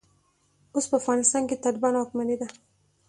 اوس په افغانستان کې د طالبانو واکمني ده.